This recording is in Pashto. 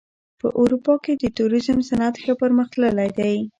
په اروپا کې د توریزم صنعت ښه پرمختللی دی.